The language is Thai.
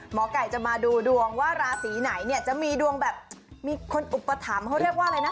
หมอไก่จะมาดูดวงว่าราศีไหนเนี่ยจะมีดวงแบบมีคนอุปถัมภ์เขาเรียกว่าอะไรนะ